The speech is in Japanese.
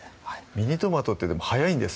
ミニトマトってでも早いんですね